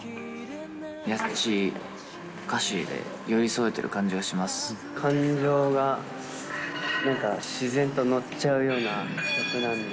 優しい歌詞で寄り添えてる感感情がなんか、自然と乗っちゃうような曲なんで。